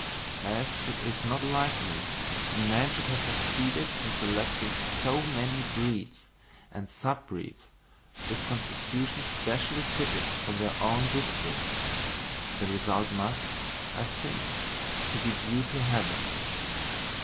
And as it is not likely that man should have succeeded in selecting so many breeds and sub breeds with constitutions specially fitted for their own districts, the result must, I think, be due to habit.